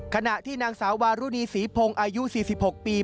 ขณะที่นางสาววารุณีศรีพงศ์อายุ๔๖ปี